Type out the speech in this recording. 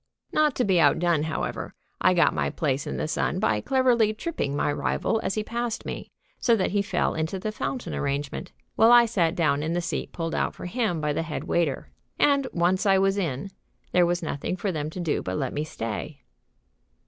Not to be outdone, however, I got my place in the sun by cleverly tripping my rival as he passed me, so that he fell into the fountain arrangement, while I sat down in the seat pulled out for him by the head waiter. And, once I was in, there was nothing for them to do but let me stay.